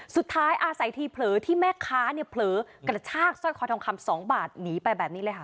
สุดท้ายอาศัยทีเผลอที่แม่ค้าเนี่ยเผลอกระชากสร้อยคอทองคำ๒บาทหนีไปแบบนี้เลยค่ะ